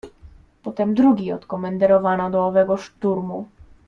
"Potem drugi odkomenderowano do owego szturmu."